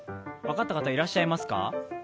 分かった方いらっしゃいますか？